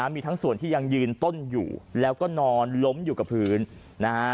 มีทั้งส่วนที่ยังยืนต้นอยู่แล้วก็นอนล้มอยู่กับพื้นนะฮะ